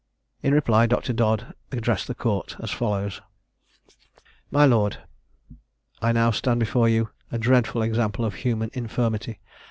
In reply Dr. Dodd addressed the court as follows: "My lord, I new stand before you a dreadful example of human infirmity.